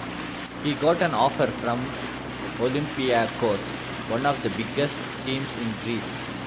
He got an offer from Olympiacos, one of the biggest teams in Greece.